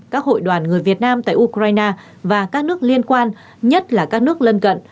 các hội đoàn người việt nam tại ukraine và các nước liên quan nhất là các nước lân cận